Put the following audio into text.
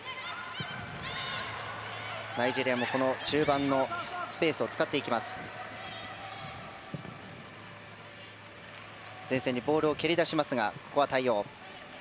ナイジェリアも中盤のスペースを使っていきます。